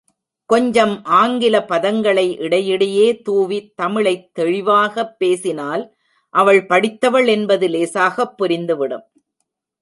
கொஞ்சம் ஆங்கில பதங்களை இடையிடையே தூவி தமிழைத் தெளிவாகப் பேசினால் அவள் படித்தவள் என்பது லேசாக புரிந்துவிடும்.